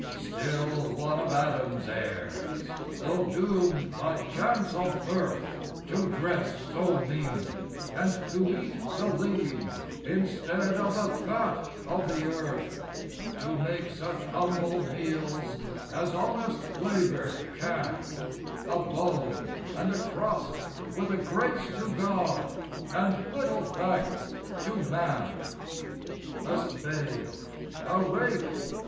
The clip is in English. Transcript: Still one of Adam's heirs, Though doom'd by chance of birth To dress so mean, and to eat the lean Instead of the fat of the earth; To make such humble meals As honest labor can, A bone and a crust, with a grace to God, And little thanks to man! A spade! a rake!